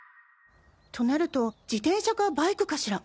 となると自転車かバイクかしら？